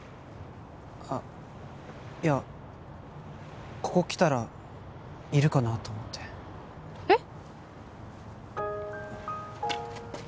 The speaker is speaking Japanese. あっいやここ来たらいるかなと思ってえっ？